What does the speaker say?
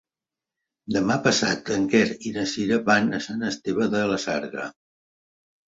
Demà passat en Quer i na Sira van a Sant Esteve de la Sarga.